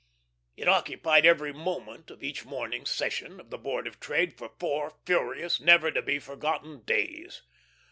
It occupied every moment of each morning's session of the Board of Trade for four furious, never to be forgotten days.